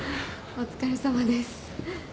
お疲れさまです。